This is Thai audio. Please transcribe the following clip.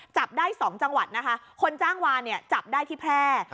จับได้๒จังหวัดนะคะคนจ้างวานเนี่ยจับได้ที่แพร่